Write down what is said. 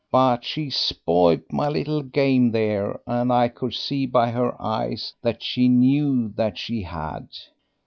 But she spoilt my little game there, and I could see by her eyes that she knew that she had.